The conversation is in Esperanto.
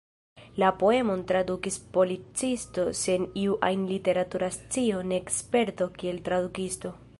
La poemon tradukis policisto sen iu ajn literatura scio nek sperto kiel tradukisto.